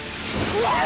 うわっ！